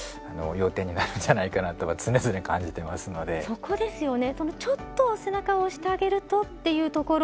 そこですよね。